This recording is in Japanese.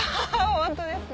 ホントですね。